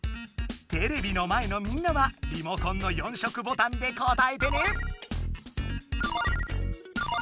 テレビの前のみんなはリモコンの４色ボタンで答えてね！